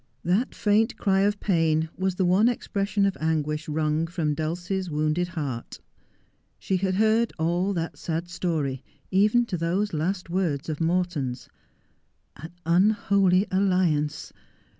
' That faint cry of pain was the one expression of anguish wrung from Dulcie's wounded heart. She had heard all that sad story — even to those last words of Morton's. ' An unholy alliance